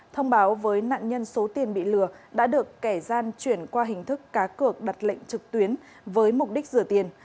thông báo với nạn nhân số tiền bị lừa đã được kẻ gian chuyển qua hình thức cá cược đặt lệnh trực tuyến với mục đích rửa tiền